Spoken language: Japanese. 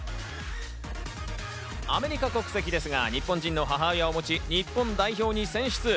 アメリカ国籍ですが、日本人の母親を持ち、日本代表に選出。